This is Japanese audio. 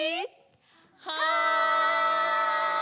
はい！